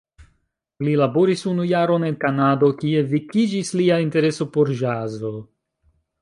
Li laboris unu jaron en Kanado, kie vekiĝis lia intereso por ĵazo.